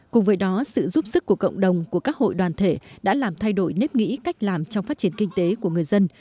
cùng với đó sự giúp sức của cộng đồng của các hội đoàn thể đã làm thay đổi nếp nghĩ cách làm trong phát triển kinh tế của người dân